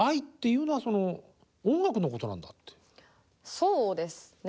そうですね。